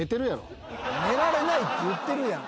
寝られないって言ってるやん。